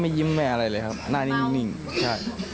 ยิ้มไม่อะไรเลยครับหน้านิ่งใช่